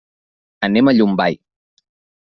Anem a Llombai.